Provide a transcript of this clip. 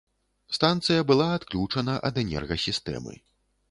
Станцыя была адключана ад энергасістэмы.